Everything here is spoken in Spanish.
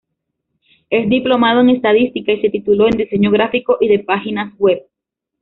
Es diplomado en estadística y se tituló en diseño gráfico y de páginas web.